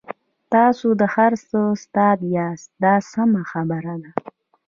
تاسو د هر څه استاد یاست دا سمه خبره ده.